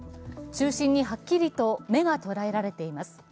中心にはっきりと目が捉えられています。